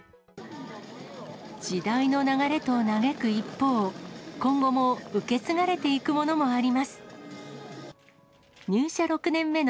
時代の流れと嘆く一方、今後も受け継がれていくものもあります。